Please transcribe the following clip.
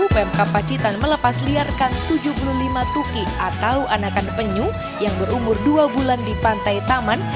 pemkap pacitan melepas liarkan tujuh puluh lima tuki atau anakan penyu yang berumur dua bulan di pantai taman